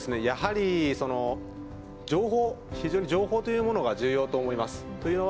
やはり非常に情報というものが重要だと思います。